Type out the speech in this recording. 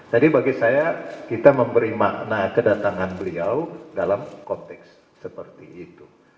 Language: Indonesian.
jadi bagi saya kita memberi makna kedatangan beliau dalam konteks seperti itu